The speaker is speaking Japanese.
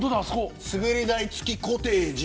すべり台付きコテージ